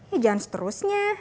ya jangan seterusnya